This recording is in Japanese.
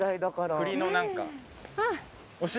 栗の何か。